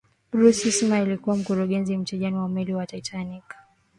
bruce ismay alikuwa mkurugenzi mtendaji wa meli ya titanic